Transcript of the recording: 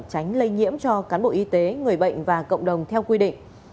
tránh lây nhiễm cho cán bộ y tế người bệnh và cộng đồng theo quy định